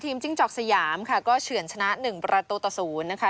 ทีมจิ้งจอกสยามก็เฉือนชนะ๑ประตูตะสูนนะคะ